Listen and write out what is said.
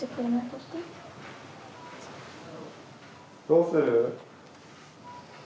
どうする？